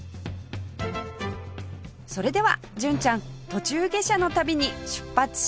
それでは純ちゃん途中下車の旅に出発進行！